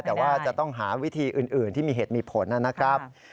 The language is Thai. แต่ว่าจะต้องหาวิธีอื่นที่มีเหตุมีผลนะครับ